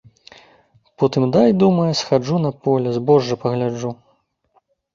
Потым дай, думае, схаджу на поле збожжа пагляджу.